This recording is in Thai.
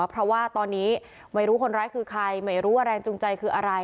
เพราะว่าตอนนี้ไม่รู้คนร้ายคือใครไม่รู้ว่าแรงจูงใจคืออะไร